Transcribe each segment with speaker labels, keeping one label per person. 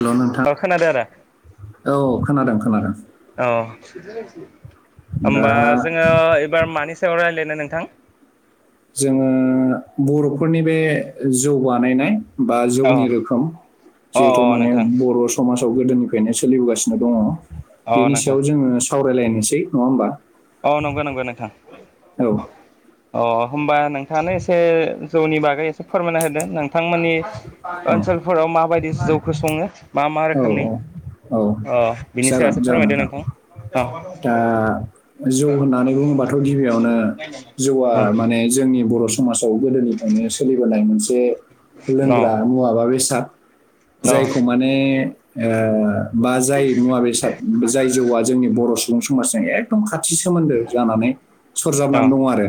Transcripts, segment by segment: Speaker 1: Hello नोंथां
Speaker 2: अ खोनादों आरो
Speaker 1: औ खोनादों खोनादों।
Speaker 2: अ
Speaker 1: दा
Speaker 2: होमबा जोङो एबार मानि सायाव रायज्लायनो नों थां
Speaker 1: जोङो बर'फोरनि बे जौ बानायनाय बा
Speaker 2: औ
Speaker 1: जौनि रोखोम
Speaker 2: अ
Speaker 1: जिहेतु माने
Speaker 2: नोंथां
Speaker 1: बर' समा जाव गोदोनिफ्रायनो सोलिबोगासिनो दङ।
Speaker 2: अ
Speaker 1: बेनि
Speaker 2: नोंथां
Speaker 1: सायाव जोङो सावरायलायनोसै नङा होमबा।
Speaker 2: अ नंगौ नंगौ नोंथां
Speaker 1: औ
Speaker 2: अ। होमबा नोंथाङानो एसे जौनि बागै एसे फोरमायना होदो नोंथांमोननि
Speaker 1: औ
Speaker 2: ओनसोलफोराव माबायदि जौखौ सङो? मा मा
Speaker 1: औ
Speaker 2: रोखोमनि
Speaker 1: औ
Speaker 2: अ बिनि
Speaker 1: जागोन
Speaker 2: सायावसो
Speaker 1: जागोन
Speaker 2: फोरमायदो नोंथां। औ।
Speaker 1: दा जौ होननानै बुङोबाथ' गिबियावनो जौआ
Speaker 2: औ
Speaker 1: माने जोंनि बर' समा जाव गोदोनिफ्रायनो सोलिबोनाय मोनसे
Speaker 2: औ
Speaker 1: लोंग्रा मुवा बा बेसाद। जायखौ माने ओ बा जाय मुवा बेसाद जाय जौआ जोंनि बर' सुबुं समाजजों एकदम खा थि सोमोन्दो जानानै
Speaker 2: औ
Speaker 1: सरजाबनानै दङ आरो।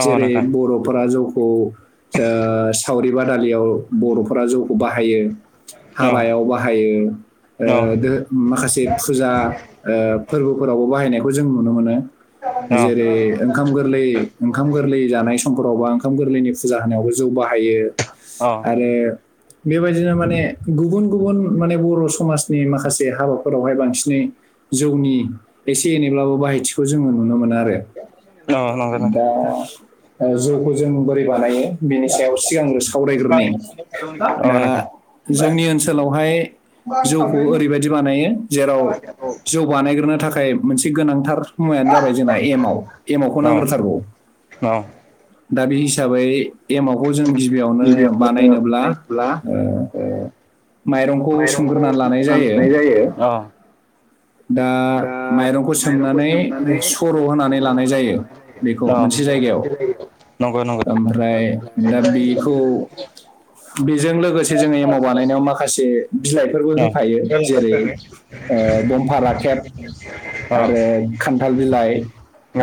Speaker 2: औ
Speaker 1: जेरै
Speaker 2: नोंथां
Speaker 1: बर'फोरा जौ खौ ओ सावरि बादालियाव बर'फोरा जौखौ बाहायो।
Speaker 2: औ
Speaker 1: हाबायाव बाहायो
Speaker 2: औ
Speaker 1: ओ माखासे फुजा ओ फोर्बोफोरावबो बाहायनायखौ जों नुनो मोनो।
Speaker 2: औ
Speaker 1: जेरै ओंखाम गोरलै ओंखाम गोरलै जानाय समफोरावबा ओंखाम गोरलैनि फुजा जानायावबो जौ बाहायो
Speaker 2: औ
Speaker 1: आरो बेबायदिनो माने गुबुन गुबुन माने बर' समाजनि माखासे हाबाफोरावहाय बांसिनै जौनि एसे एनैब्लाबो बाहाय थिखौ जोङो नुनो मोनो आरो।
Speaker 2: नंगौ नोंथां
Speaker 1: दा ओ जौखौ जों बोरै बानायो बिनि सायाव सिगांग्रो सावरायगोरनि।
Speaker 2: [inaudible]
Speaker 1: दा
Speaker 2: नोंथां
Speaker 1: जोंनि ओनसोलावहाय
Speaker 2: औ
Speaker 1: जौखौ ओरैबायदि बानायो जेराव जौ बानायग्रोनो थाखाय मोनसे गोनांथार मुवायानो जाबाय जोंना एमाव एमाव खौ नांग्रोथारगौ दा बे हिसाबै एमावखौ जों गिबियावनो बानायनोब्ला ओ माइरं सोमग्रोनानै लानाय जायो दा माइरंखौ सोमनानै सर' होनानै लानाय जायो बेखौ मोनसे जाय जायगायाव
Speaker 2: जायो। औ नंगौ नंगौ औ औ
Speaker 1: ओमफ्राय दा बेखौ बेजों लोगोसे जों एमाव बानायनायाव माखासे फोरबो होफायो जेरै ओ बमफा राखेब आरो खान्था फिथाय बिलाइ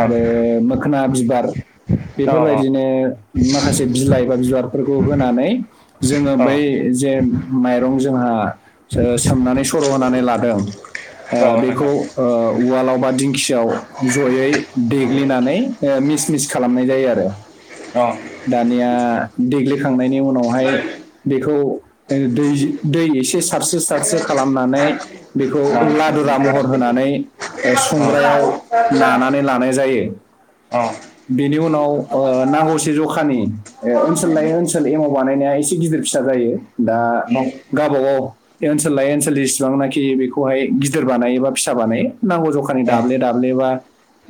Speaker 1: आरो मोखोना बिबार
Speaker 2: औ औ
Speaker 1: बेफोरबायदिनो माखासे बिलाइ एबा बिबारफोरखौ होनानै जोङो बै जे माइरं जोंहा सोमनानै सर' होनानै लादों
Speaker 2: औ
Speaker 1: ओ
Speaker 2: नोंथां
Speaker 1: बेखौ ओ उवालाव बा दिंखियाव जयै देग देग्लिनानै ओ मिस मिस खालामनाय जायो आरो
Speaker 2: औ औ
Speaker 1: दानिया देग्लि खांनायनि उनावहाय बेखौ दैजि दै एसे सारस्रो सारस्रो खालामनानै बेखौ
Speaker 2: नं
Speaker 1: लादुरा महर होनानै
Speaker 2: औ
Speaker 1: संग्रायाव नानानै लानाय जायो
Speaker 2: अ
Speaker 1: बेनि उनाव ओ नांगौसे जखानि ओ ओनसोल लायै ओनसोल एमाव बानायनाया एसे गि फिदिर फिसा जायो दा गावबागाव ओनसोल लाय ओनसोल जेसिबांनाखि बेखौहाय गिदिर बानायो एबा फिसा बानायो नांगौ जखानि दाब्ले दाब्ले बा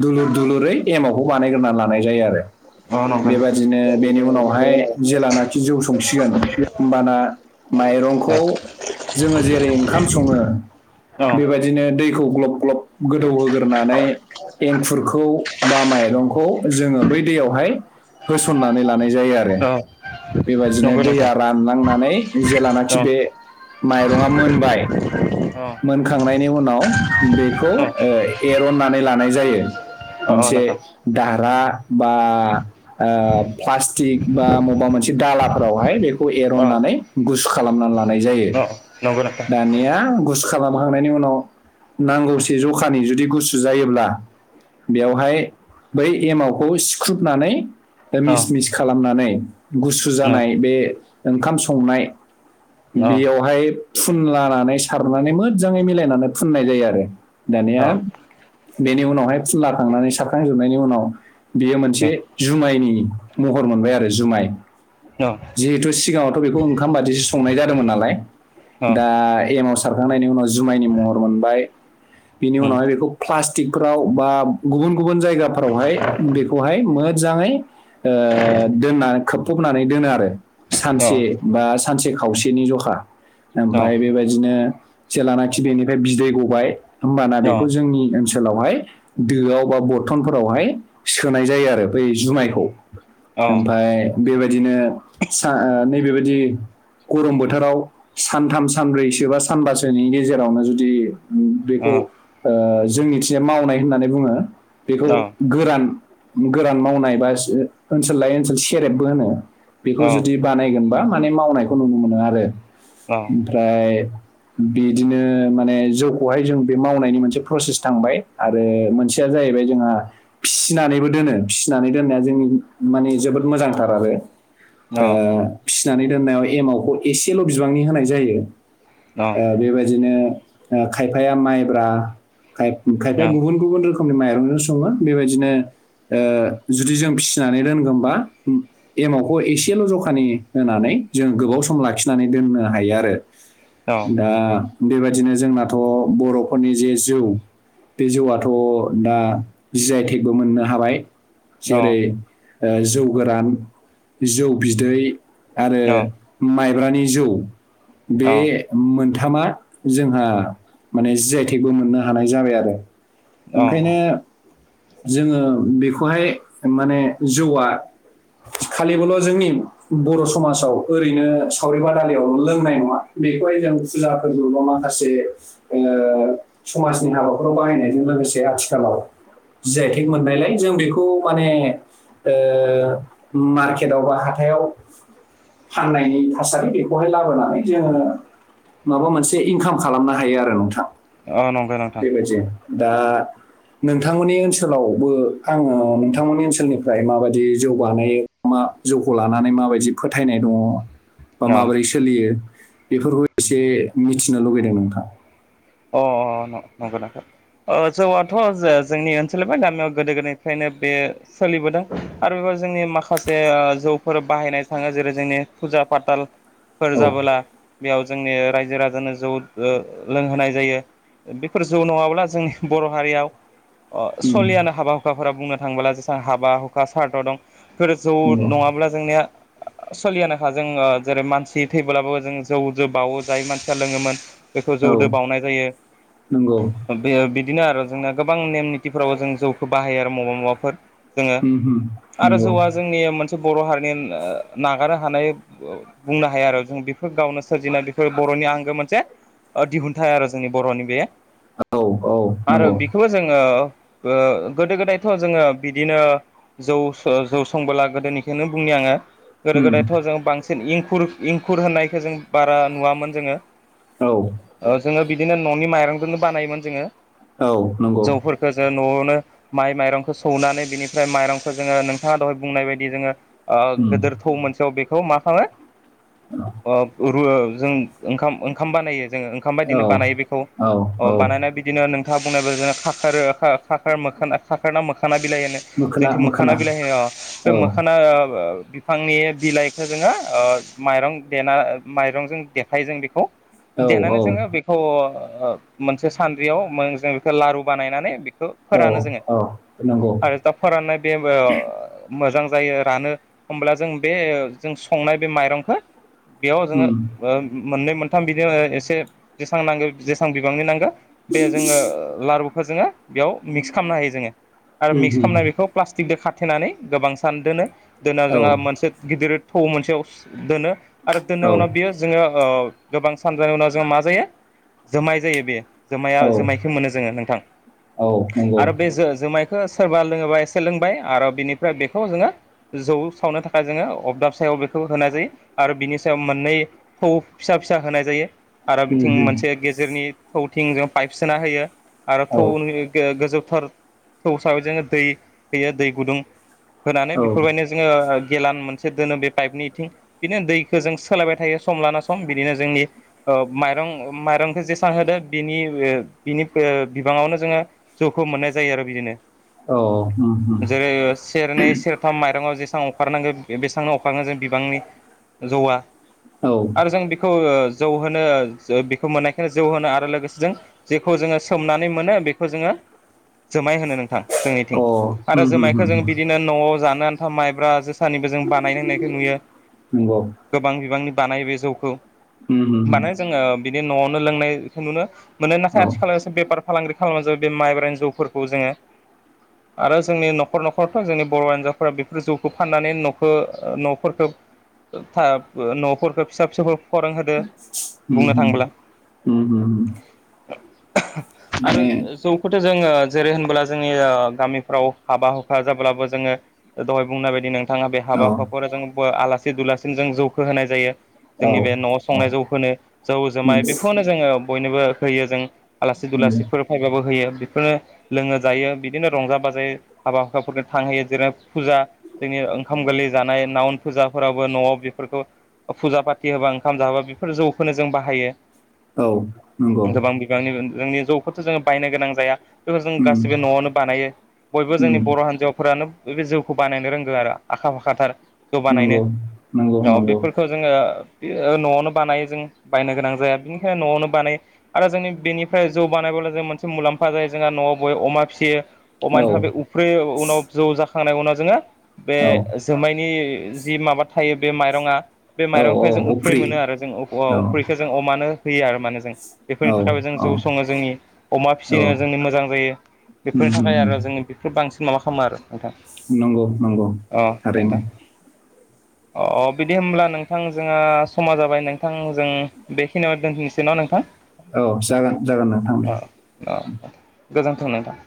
Speaker 1: दुलुर दुलुरै एमाव बेखौ बानायग्रोना लानाय जायो आरो
Speaker 2: नंगौ
Speaker 1: बेबादिनो बेनि उनावहाय जेलानाखि जौ संसिगोन होमबाना मा
Speaker 2: औ
Speaker 1: माइरंखौ जोङो जेरै ओंखाम सङो बेबायदिनो दैखौ ग्लब ग्लब गोदौहोग्रोनानै एंखुरखौ बा माइरंखौ जोङो बै दैयावहाय होसननानै लानाय जायो आरो
Speaker 2: औ
Speaker 1: बेबदिनो
Speaker 2: नंगौ
Speaker 1: दैया
Speaker 2: नोंथां
Speaker 1: रानलांनानै जेलानाखि बे माइरङा मोनबाय
Speaker 2: औ
Speaker 1: मोनखांनायनि उनाव बेखौ
Speaker 2: औ
Speaker 1: एरननानै लानाय जायो
Speaker 2: अ
Speaker 1: मोनसे
Speaker 2: नोंथां
Speaker 1: दारा बा ओ प्लासटिक बा मबा मोनसे दालाफोरावहाय बे
Speaker 2: अ
Speaker 1: एनानै गुसु खालामनानै लानाय जायो
Speaker 2: अ नंगौ नोंथां
Speaker 1: दानिया गुसु खालामखांनायनि उनाव नांगौसे जखानि जुदि गुसु जायोब्ला बेवहाय बै एमावखौ सिख्रुबनानै
Speaker 2: अ
Speaker 1: मिस मिस खालामनानै गुसु
Speaker 2: अ
Speaker 1: जानाय बे ओंखाम संनाय
Speaker 2: अ
Speaker 1: बेयावहाय फुनलानानै सारनानै मोजाङै मिलायनानै फुननाय जायो आरो दानिया
Speaker 2: अ अ
Speaker 1: बेनि उनावहाय फुनला खांनानै सारखांजोबनायनि उनाव बेयो मोनसे जुमायनि महर मोनबाय आरो जुमाय जिहेथु सिगाङावथ' बेखौ ओंखाम बादिसो संनाय जादोंमोन नालाय
Speaker 2: अ
Speaker 1: दा एमाव सारखांनायनि उनाव जुमायनि महर मोनबाय बिनि
Speaker 2: उम
Speaker 1: उनावहाय बेखौ फ्लास ट्रिकफ्राव बा गुबुन गुबुन जायगाफ्रावहाय बेखौहाय मोजाङै ओ दोनना खोबफबनानै दोनो आरो
Speaker 2: अ अ
Speaker 1: सानसे बा सानसे खावसेनि जखा
Speaker 2: अ
Speaker 1: ओमफाय बेबायदिनो जेलानाखि बेनिफ्राय बिदै गबाय होमबाना
Speaker 2: अ
Speaker 1: बेखौ जोंनि ओ ओनसोलावहाय दोआव बा बर्थनफोरावहाय सोनाय जायो आरो बै जुमायखौ
Speaker 2: अ
Speaker 1: ओमफाय बेबायदिनो सा नैबेबायदि गरम बोथोराव सानथाम सानब्रैसो बा सानबासोनि गेजेरावनो
Speaker 2: अ अ
Speaker 1: जोंनिथिंया मावनाय होननानै बुङो बेखौ गोरान गोरान मावनाय बा ओनसोल लायै ओनसोल सेरेबबो होनो बेखौ
Speaker 2: अ
Speaker 1: जुदि बानायगोनबा माने मावनायखौ नुनो मोनो आरो ओमफ्राय बिदिनो माने जौखौहाय जों बे मावनायनि मोनसे प्रसेस थांबाय आरो मोनसेया जाहैबाय जोंहा फिसिनानैबो दोनो फिसिनानै दोननाया जोंनि माने जोबोद मोजांथार आरो ओ फिसिनानै दोननायाव एमावखौ एसेल बिबांनि होनाय जायो ओ बेबायदिनो खायफाया माइब्रा खायफाया गुबुन गुबुन रोखोमनि माइरंजों सङो बेबायदिनो ओ जुदि जों फिसिनानै दोनगौबा एमावखौ एसेल जखानि होनानै जों गोबाव सम लाखिनानै दोननो हायो आरो
Speaker 2: अ
Speaker 1: दा बेबायदिनो जोंनाथ बर'फोरनि जे जौ बे जौआथ दा जि आइ थेकबो मोननो हाबाय जेरै जौ गोरान जौ बिदै आरो माइब्रानि जौ बे मोनथ थामा जोंहा माने जि आइ थेख बो मोननो हानाय जाबाय आरो ओंखायनो
Speaker 2: अ
Speaker 1: जोङो बेखौहाय माने जौ आ खालिबोल जोंनि बर समाजाव ओरैनो सावरि बादालियावल लोंनाय नङा बेखौहाय जों फुजा फोरबो माखासे ओ समाजनि हाबाफोराव बाहायनायजों लोगोसे आथिखालाव जि आइ थेक मोननायलाय जों बेखौ माने ओ मार्केटआव बा हाथायाव फाननायनि थासारि बेखौहाय लाबोनानै जोङो माबा मोनसे इनकाम खालामनो हायो आरो नोंथां
Speaker 2: अ नंगौ नोंथां
Speaker 1: बेबायदि दा नोंथांमोननि ओनसोलावबो आङो नोंथांमोननि ओनसोलनिफ्राय माबायदि जौ बानायो मा जौखौ लानानै माबायदि फोथायनाय दङ बा
Speaker 2: अ
Speaker 1: माबोरै सोलियो बेफोरखौ एसे मिथिनो लुुबैदों नोंथां
Speaker 2: अ नंग नोंथां ओ जौआथ जे जोंनि ओनसोलनिफ्राय गामियाव गोदो गोदायनिफ्रायनो बे सोलिबोदों आरो जोंनि माखासे जौफोर बाहायनाय थाङो जेरै जोंनि फुजा फाथाल फोर
Speaker 1: औ
Speaker 2: जाबोला बेयाव जोंनि रायजो राजानो जौ ओ लोंहोनाय जायो बेफोर जौ नङाब्ला जोंनि बर हारियाव अ
Speaker 1: उम,
Speaker 2: सलियानो हाबा हुखाफोरा बुंनो थाङोबला जेसेबां हाबा हुखा सारद दं जौ
Speaker 1: नंगौ
Speaker 2: नङाब्ला जोंनिया सोलियानोखा जों जेरै मानसि थैबोब्लाबो जों जौ बावो जाय मानसिया लोङोमोन बेखौ
Speaker 1: औ
Speaker 2: जौदो बावनाय जायो
Speaker 1: नंगौ
Speaker 2: बे बिदिनो आरो जोंना गोबां नेम निथिफ्रावबो जों जौखौ बाहायो आरो मबा मबाफोर जोङो
Speaker 1: उम, उम,
Speaker 2: आरो
Speaker 1: नंगौ
Speaker 2: जौआ जोंनि मोन बर हारिनि नागारनो हानाय बुंनो हाया आरो जों बेफोर गावनो सोरजिनानै बेफोर बर बर'नि आंगो मोनसे दिहुनथाइ आरो जोंनि बर'नि बे
Speaker 1: औ औ
Speaker 2: आरो
Speaker 1: नंगौ
Speaker 2: बेखौबो जोङो ओ गोदो गोदायथ जोङो बिदिनो जौ जौ संबोला गोदोनिखौनो बुंनि आङो गोदो
Speaker 1: उम,
Speaker 2: गोदायथ जों बांसिन इंखुर इंखुर होननायखौ जों बारा नुवामोन जोङो
Speaker 1: औ
Speaker 2: जोङो बिदिनो न'नि माइरंजोंनो बानायोमोन जोङो
Speaker 1: औ नंगौ
Speaker 2: जौफोरखौ जों न'आवनो माइ माइरंखौ सौनानै बिनिफ्राय माइरंखौ जोङो नोंथाङा दहाय बुंनाय बायदि जोङो ओ
Speaker 1: उम,
Speaker 2: गोदोर थौ मोनसेयाव बेखौ मा खङो ओ रुवो जों ओंखाम ओंखाम बानायो जोङो ओंखाम
Speaker 1: औ
Speaker 2: बायदिनो बानायो बेखौ
Speaker 1: औ औ
Speaker 2: बानायना बिदिनो खो बुंनायो खनाा मोख [unintelligible] मोखाना बिलाइ होनो
Speaker 1: मोखोना
Speaker 2: जोंनिथ मोखाना
Speaker 1: मोखोना
Speaker 2: बिलाइ होनयो अ बे
Speaker 1: औ
Speaker 2: मोखाना [unintelligible] बिफांनि बिलाइखौ जोङो ओ माइरं देना माइरंजों देखायो जों बेखौ
Speaker 1: औ औ।
Speaker 2: ओ मोनसे सान्द्रियाव जों बेखौ लारु बानायनानै खो
Speaker 1: औ
Speaker 2: फोरानो जोङो
Speaker 1: औ नंगौ
Speaker 2: आरो दा फोराननाय बे ओ मोजां जायो रानो होमब्ला जों बे जों संनाय बे माइरंखौ बेयाव जोङो
Speaker 1: उम,
Speaker 2: ओ मोननै मोनथाम बिदियाव एसे जेसां नांगौ जेसां बिबांनि नांगौ बे जोङो लारुखौ जोङो बेयाव मिक्स खालामनो हायो जोङो आरो
Speaker 1: उम
Speaker 2: मिक्स
Speaker 1: उम
Speaker 2: खालामनाय बेखौ प्लास्टिकजों खाथेनानै गोबां सान दोनो दोनायाव
Speaker 1: औ
Speaker 2: जोंहा मोनसे गिदिर थौ मोनसेयाव दोनो आरो दोननाय
Speaker 1: औ
Speaker 2: उनाव बियो जोङो ओ गोबां सानजानाय उनाव जोङो मा जायो जोमाय जायो बे। जोमाया
Speaker 1: औ
Speaker 2: जोमायखौ मोनो जोङो नोंथां
Speaker 1: औ नंगौ
Speaker 2: आरो बे जो-जोमाय खौनो सोरबा लोङोबा एसे लोंबाय आरो बिनिफ्राय बेखौ जोङो जौ सावनो थाखाय जोङो अबदाब सायाव औ बेखौ होनाय जायो आरो बिनि सायाव मोननै थौ फिसा फिसा होनाय जायो।
Speaker 1: उम
Speaker 2: थिं
Speaker 1: उम
Speaker 2: मोनसे गेजेरनि थौथिं जों पाइप सोना होयो आरो
Speaker 1: औ
Speaker 2: थौनि गो-गोजौ फोथार थौ हिसाबै जोङो दै होयो दै गुदुं होनानै
Speaker 1: औ
Speaker 2: बेफोरबायदिनो जोङो ओ गेेलान मोनसे दोनो बे पाइपनि ओथिं बिदिनो दैखौ जों सोलायबाय थायो सम लाना सम बिदिनो जोंनि ओ माइरं उम माइरंखौ जेसेबां होदो बिनि ओ बिनि ओ बिबाङावनो जोङो जौखौ मोननाय जायो आरो बिदिनो।
Speaker 1: औ उम उम
Speaker 2: जेरै ओ सेरनै सेरथाम माइरंआव जेस सां अखारनांगौ बेसेंनो अखारनो जे बिबांनि जौआ
Speaker 1: औ
Speaker 2: आरो जों बेखौ ओ जौ होनो जो बेखौ मोननायखायनो जौ होनो आरो लोगोसे जेखौ जोङो सोमनानै मोनो बेखौ जोङो जुमाय होनो नोंथां जोंनिथिं
Speaker 1: अ
Speaker 2: आरो
Speaker 1: उम उम
Speaker 2: जुमायखौ
Speaker 1: उम
Speaker 2: जों बिदिनो न'आव जानो जथा माइब्रा जोसानिबो जों बानाय नायनायखौ नुयो
Speaker 1: नंगौ
Speaker 2: गोबां बिबांनि बानायो बे जौखौ।
Speaker 1: उम उम
Speaker 2: मानोे जोङो बिदि न'आवनो लोंनायखौ नुनो मोनो नाथाय
Speaker 1: औ
Speaker 2: आथिखालावसे बेफार फालांगि खालामनानै जाबाय बे माइब्रानो जौफोरखौ जोङो आरो जोंनि न'खर न'खरथ' जोंनि बर' हिजावफोरा बेफोर जौखौ फाननानै न'खौ न'फोरखौ ओ थाब ओ न'फोरखौ फिसा फिसौबाबो फोरों होदो बुंनो
Speaker 1: उम उम
Speaker 2: थांब्ला।
Speaker 1: उम उम।
Speaker 2: आरो
Speaker 1: माने
Speaker 2: जौखौथ' जोङो जेरै होनबोला जोंनि ओ गामिफ्राव हाबा हुखा जाब्लाबो जोङो ओ दहाय बुंनाय बायदि नोंथाङा बे
Speaker 1: औ
Speaker 2: हाबा हुखाफोर जोंबो आलासि दुलासिनो जों जौखोहोनाय जायो।
Speaker 1: औ
Speaker 2: जोंनि बे न'आव
Speaker 1: औ उम
Speaker 2: संनाय जौखौनो। जौ जुमाय बेखौनो जोङो बयनोबो होयो जों आलासि दुलासिफोर फैबाबो होयो बेफोरो लोङो जायो बिदिनो रंजा बाजायै हाबा हुखाफोरखौ थांहोयो जेरै फुजा जोंनि ओंखाम गोल लै जानाय नाउन फुजाफोरावबो न'आव बेफोरखौ ओ फुजा पाथि होबा ओंखाम जाहोबा बेफोर जौ खौनो जों बाहायो।
Speaker 1: औ। नंगौ
Speaker 2: गोबां बिबांनि ओ जोंनि जौखौथ' जोङो बायनो गोनां जाया बेफोर जों
Speaker 1: उम
Speaker 2: गासिबो न'आवनो बानायो। बय बो जोंनि
Speaker 1: उम
Speaker 2: बर' हान्जावफोरानो जौखौ बानायनो रोंगो आरो आखा फाखाथार जौ बानायनो
Speaker 1: नंगौ नंगौ
Speaker 2: औ
Speaker 1: नंगौ
Speaker 2: बेफोरखौ जोङो ओ न'आवनो बानायो जों बायनो गोनां जाया बेनिखायनो न'आवनो बानाय आरो जोंनि बेनिफ्राय जौ बानायबाब्ला जों मोनसे मुलाम्फा जायो जोंहा न'आव बय अमा फियो
Speaker 1: औ
Speaker 2: अमानि थाबाय उफ्रि उ उनाव जौ जाखांनाय उनाव जोङो बे
Speaker 1: औ
Speaker 2: जोमायनि जि माबा थायो बे माइरङा बे
Speaker 1: औ औ
Speaker 2: माइरंनिफाय जों उफ्रि
Speaker 1: अफ्रि
Speaker 2: मोनो आरो जों उफ औ फुख्रिखौ जों अमानो होयो आरो माने जों
Speaker 1: औ
Speaker 2: बेफोरनि थाखायबो जों जौ सङो जोंनि अमा
Speaker 1: औ
Speaker 2: फिनो जोंनि मोजां बै
Speaker 1: उम
Speaker 2: बेफोरनि
Speaker 1: उम
Speaker 2: थाखाय आरो जोङो बेफोर बांसिन माबा खालामो आरो नोंथां।
Speaker 1: नंगौ नंगौ
Speaker 2: अ
Speaker 1: थारैनो।
Speaker 2: नोंथां अ बिदि होमब्ला नोंथांजोंहा समा जाबाय नोंथां जों बेखिनियाव दोनथनसै ना नोंथां?
Speaker 1: औ जागोन जागोन नोंथां।
Speaker 2: अ अ गोजोन्थों नोंथां।